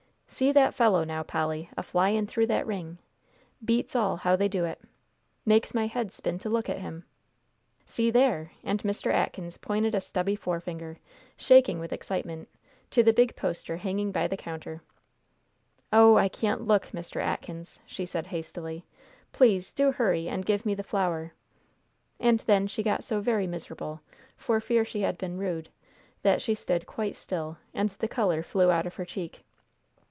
See that fellow, now, Polly, a flyin' through that ring. Beats all how they do it. Makes my head spin to look at him. See there!" and Mr. Atkins pointed a stubby forefinger, shaking with excitement, to the big poster hanging by the counter. "Oh, I can't look, Mr. Atkins," she said hastily. "Please do hurry and give me the flour." And then she got so very miserable, for fear she had been rude, that she stood quite still, and the color flew out of her cheek.